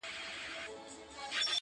اوبه چي پر يوه ځاى ودرېږي بيا ورستېږي.